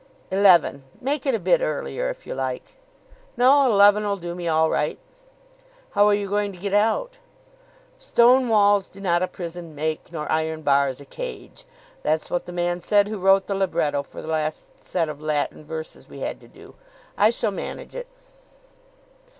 "Eleven. Make it a bit earlier, if you like." "No, eleven'll do me all right." "How are you going to get out?" "'Stone walls do not a prison make, nor iron bars a cage.' That's what the man said who wrote the libretto for the last set of Latin Verses we had to do. I shall manage it."